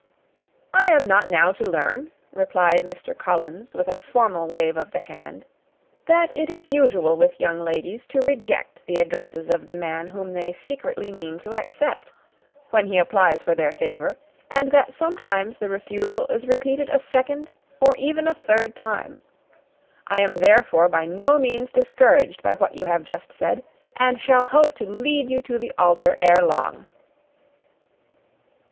"I am not now to learn," replied Mr. Collins, with a formal wave of the hand, "that it is usual with young ladies to reject the addresses of the man whom they secretly mean to accept, when he first applies for their favour; and that sometimes the refusal is repeated a second or even a third time. I am, therefore, by no means discouraged by what you have just said, and shall hope to lead you to the altar ere long."